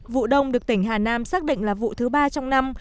vụ đông được tỉnh hà nam xác định là vụ thứ ba trong năm